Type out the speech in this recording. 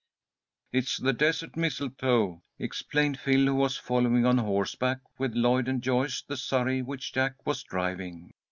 "It's the desert mistletoe," explained Phil, who was following on horseback with Lloyd and Joyce the surrey which Jack was driving.